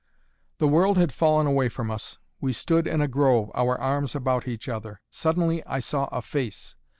"The world had fallen away from us. We stood in a grove, our arms about each other. Suddenly I saw a face.